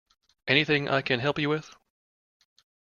Anything I can help you with?